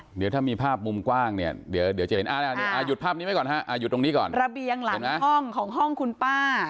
หรือถ้ามีภาพมุมกว้างยืดภาพนี้ไหมก่อนหลังห้องของห้องคุณป้า